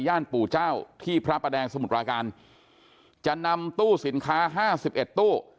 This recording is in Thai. ปู่เจ้าที่พระประแดงสมุทรปราการจะนำตู้สินค้าห้าสิบเอ็ดตู้